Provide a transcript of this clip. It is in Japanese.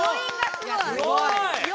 すごい！